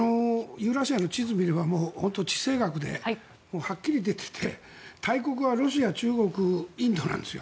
ユーラシアの地図を見れば地政学ではっきり出ていて、大国はロシア、中国、インドなんです。